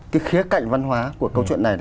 cái khía cạnh văn hóa của câu chuyện này